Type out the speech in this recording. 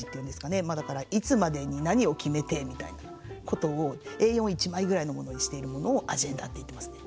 まあだからいつまでに何を決めてみたいなことをＡ４１枚ぐらいのものにしているものをアジェンダって言ってますね。